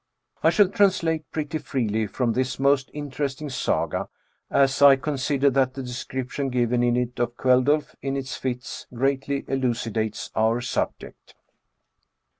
I shall translate pretty freely from this most interesting Saga, as I consider that the description given in it of Kveldulf in his fits greatly elucidates our subject.